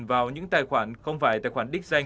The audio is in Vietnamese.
vào những tài khoản không phải tài khoản định danh